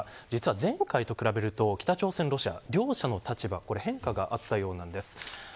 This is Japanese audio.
前回と比べると北朝鮮とロシアの立場に変化があったようです。